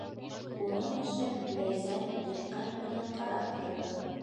Уның эшен Ләйсән диҡҡәт менән ҡарап торҙо.